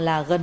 là gần một kg